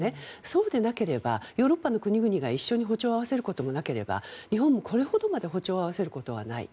そうでなければヨーロッパの国々が一緒に歩調を合わせることもなければ日本もこれほどまで歩調を合わせることはない。